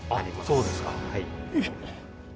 そうですか。